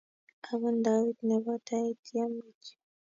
Agot ndawiit nebo tai, ityem kityo